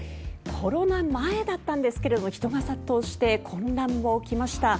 コロナ前だったんですが人が殺到して混乱も起きました。